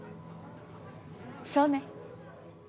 そうね。